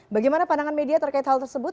bagaimana pandangan media terkait hal tersebut